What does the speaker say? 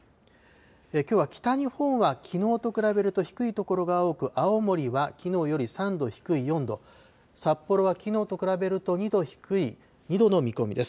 きょうは北日本はきのうと比べると低い所が多く、青森はきのうより３度低い４度、札幌はきのうと比べると２度低い２度の見込みです。